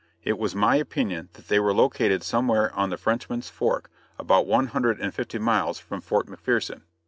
It was my opinion that they were located somewhere on the Frenchman's Fork about one hundred and fifty miles from Fort McPherson.